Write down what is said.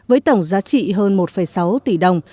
với tổng giá trị hơn một sáu tỷ đồng